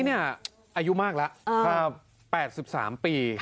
คนนี้อายุมากแล้วประมาณ๘๓ปี